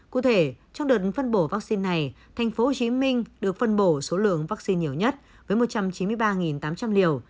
cụ thể trong đợt phân bổ vaccine này thành phố hồ chí minh được phân bổ số lượng vaccine nhiều nhất với một trăm chín mươi ba tám trăm linh liều